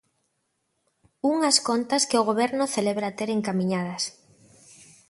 Unhas contas que o Goberno celebra ter encamiñadas.